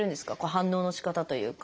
反応のしかたというか。